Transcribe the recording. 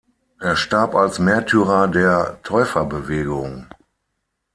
Er starb als Märtyrer der Täuferbewegung.